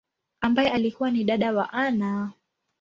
ambaye alikua ni dada wa Anna.